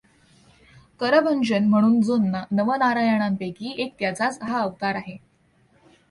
करभंजन म्हणून जो नवनारायणांपैकी एक त्याचाच हा अवतार आहे.